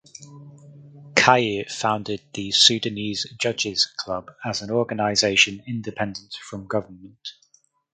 Khair founded the Sudanese Judges Club as an organisation independent from government.